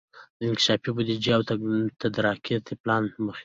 د انکشافي بودیجې او تدارکاتي پلان له مخي